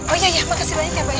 oh iya ya makasih banyak ya pak ya